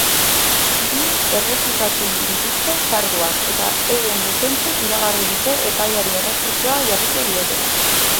Biek errefusatzen dituzte karguak eta euren defentsek iragarri dute epaiari errekurtsoa jarriko diotela.